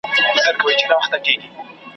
ممکن شيطاني خوب وي.